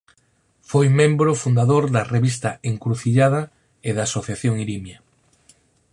Foi membro fundador da revista "Encrucillada" e da Asociación Irimia.